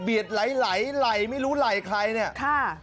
เบียดไหลไหลไม่รู้ไหลใครเนี่ย